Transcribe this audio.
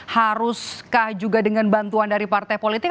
haruskah juga dengan bantuan dari partai politik